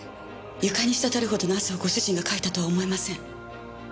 床に滴るほどの汗をご主人がかいたとは思えません。